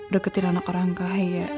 deketin anak orang kaya